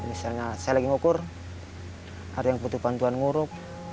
misalnya saya lagi ngukur ada yang butuh bantuan nguruk